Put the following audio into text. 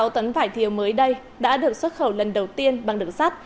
năm mươi sáu tấn vải thiều mới đây đã được xuất khẩu lần đầu tiên bằng đường sắt